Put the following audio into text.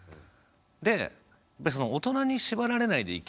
で大人に縛られないで生きたい。